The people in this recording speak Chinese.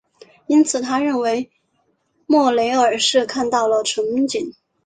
因此他认为莫雷尔是看到了蜃景。